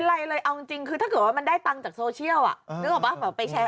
แล้วก็มีเห็นเป็นไรเลย